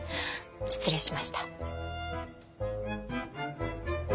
失礼しました。